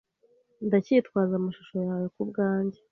Ndacyitwaza amashusho yawe kubwanjye